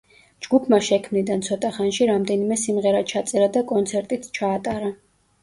ჯგუფმა შექმნიდან ცოტა ხანში რამდენიმე სიმღერა ჩაწერა და კონცერტიც ჩაატარა.